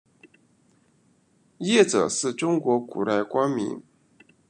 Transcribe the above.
谒者是中国古代官名。